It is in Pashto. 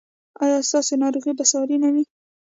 ایا ستاسو ناروغي به ساري نه وي؟